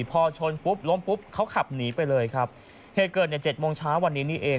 พอชนปุ๊บล้มปุ๊บเขาขับหนีไปเลยครับเหตุเกิดในเจ็ดโมงเช้าวันนี้นี่เอง